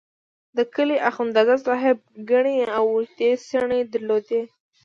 د کلي اخندزاده صاحب ګڼې او اوږدې څڼې درلودې.